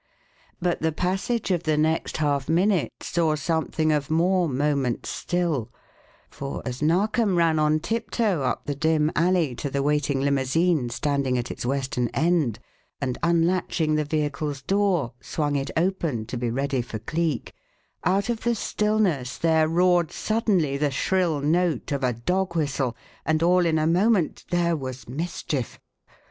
But the passage of the next half minute saw something of more moment still; for, as Narkom ran on tiptoe up the dim alley to the waiting limousine standing at its western end, and unlatching the vehicle's door, swung it open to be ready for Cleek, out of the stillness there roared suddenly the shrill note of a dog whistle, and all in a moment there was mischief.